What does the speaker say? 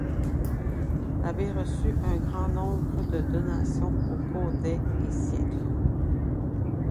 L'abbaye reçut un grand nombre de donations au cours des et siècles.